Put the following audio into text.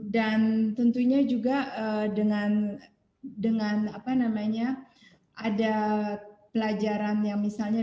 dan tentunya juga dengan dengan apa namanya ada pelajaran yang misalnya